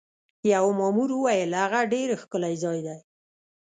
یوه مامور وویل: هغه ډېر ښکلی ځای دی.